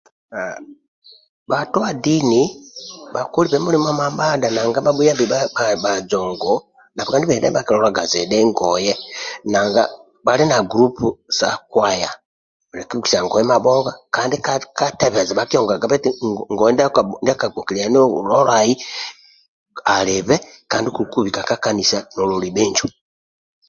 Haa bhatua dini bhakolibe mulimo mamadha naga bhabhuyambi bha bha bhajongo ndibha bhakilolaga zidhi ngoye nanga bhali na gulupu sa kwaya hakibikisa ngoye mabhonga kandi katebeza bhakiongangabe eti ngoye ndio kogbokiliani lolai alibe kandi kokubika ka kanisa nololi bhinjo